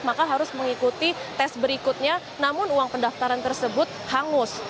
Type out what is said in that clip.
maka harus mengikuti tes berikutnya namun uang pendaftaran tersebut hangus